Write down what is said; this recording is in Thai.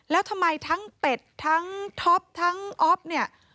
แล้วทำไมทั้งเป็ดทั้งท็อปทั้งอ๊อฟเนี่ย